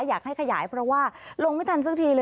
อยากให้ขยายเพราะว่าลงไม่ทันสักทีเลย